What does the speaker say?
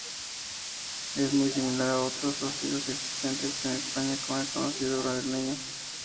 Es muy similar a otros cocidos existentes en España como el cocido madrileño.